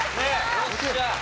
よっしゃー！